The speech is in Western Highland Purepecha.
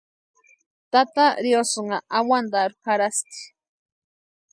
Tata riosïnha awantarhu jarhasti.